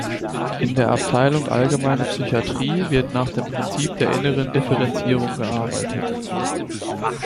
In der Abteilung Allgemeine Psychiatrie wird nach dem Prinzip der inneren Differenzierung gearbeitet.